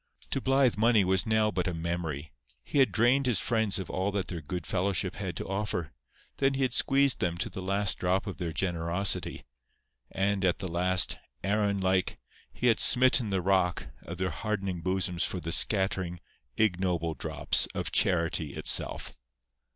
To Blythe money was now but a memory. He had drained his friends of all that their good fellowship had to offer; then he had squeezed them to the last drop of their generosity; and at the last, Aaron like, he had smitten the rock of their hardening bosoms for the scattering, ignoble drops of Charity itself.